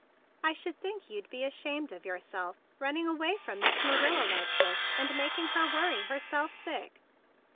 "I should think you'd be ashamed of yourself, running away from Miss Ma¬ nila like this, and making her worry herself sick!"